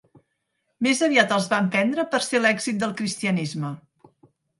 Més aviat els van prendre per ser l'èxit del cristianisme.